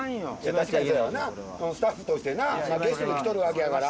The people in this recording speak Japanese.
確かにそやわなスタッフとしてゲストで来とるわけやから。